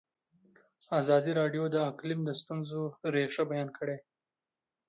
ازادي راډیو د اقلیم د ستونزو رېښه بیان کړې.